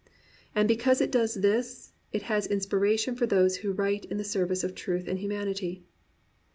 And because it does this, it has inspiration for those who write in the service of truth and humanity.